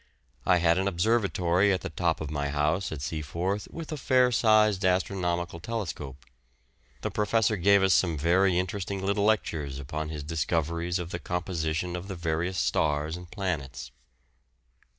I had an observatory at the top of my house at Seaforth, with a fair sized astronomical telescope. The professor gave us some very interesting little lectures upon his discoveries of the composition of the various stars and planets.